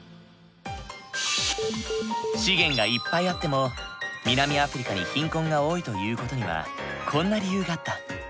資源がいっぱいあっても南アフリカに貧困が多いという事にはこんな理由があった。